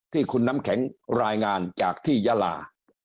ที่คุณน้ำแข็งรายงานจากที่ยาลา